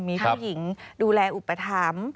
มีผู้หญิงดูแลอุปถัมภ์